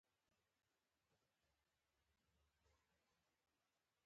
ترکیب د مفاهیمو اړیکه ښيي.